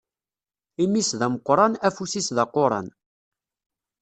Imi-s d ameqqran, afus-is d aquran.